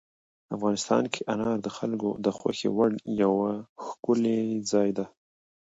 افغانستان کې انار د خلکو د خوښې وړ یو ښکلی ځای دی.